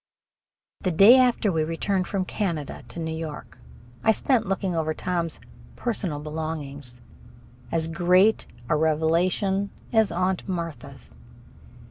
The day after we returned from Canada to New York I spent looking over Tom's "personal belongings" as great a revelation as Aunt Martha's.